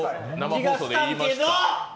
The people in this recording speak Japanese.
気がしたけど！